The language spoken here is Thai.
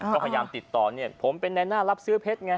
ก็พยายามติดต่อเนี่ยผมเป็นในหน้ารับซื้อเพชรไง